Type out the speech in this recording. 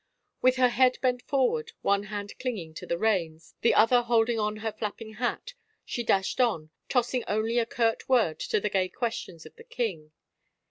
With her head bent forward, one hand clinging to the reins, the other holding on her flap ping hat, she dashed on, tossing only a curt word to the gay questions of the king.